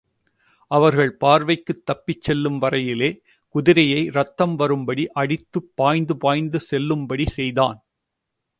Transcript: அவர்கள் பார்வைக்குத் தப்பிச் செல்லும் வரையிலே, குதிரையை இரத்தம் வரும்படி அடித்துப் பாய்ந்து பாய்ந்து செல்லும்படி செய்தான்.